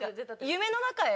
「夢の中へ」